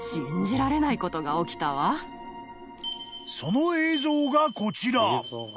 ［その映像がこちら］